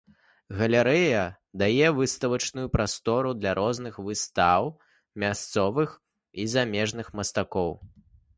Галерэя дае выставачную прастору для розных выстаў мясцовых і замежных мастакоў.